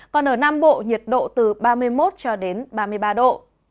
còn ở nam bộ nhiệt độ từ ba mươi một cho đến ba mươi ba độ